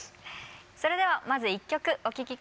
それではまず１曲お聴き下さい。